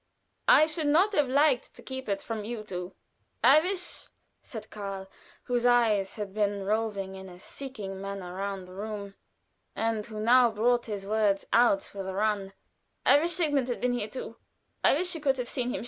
I should not have liked to keep it from you two. I wish," said Karl, whose eyes had been roving in a seeking manner round the room, and who now brought his words out with a run; "I wish Sigmund had been here too. I wish she could have seen him.